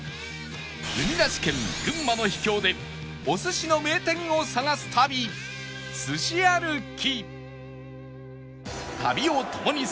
海なし県群馬の秘境でお寿司の名店を探す旅すし歩き